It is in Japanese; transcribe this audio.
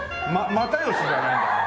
又吉じゃないんだから。